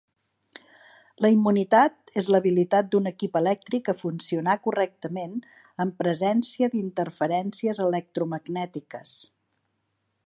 La immunitat és l'habilitat d'un equip elèctric a funcionar correctament en presència d'interferències electromagnètiques.